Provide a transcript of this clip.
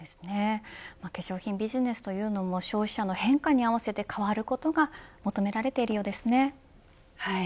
化粧品ビジネスというのも消費者の変化に合わせて変わることが求められているようですね。